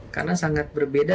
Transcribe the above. karena sangat berbeda